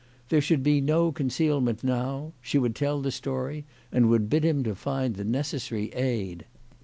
There should be no concealment now. She would tell the story and would bid him to find the necessary aid.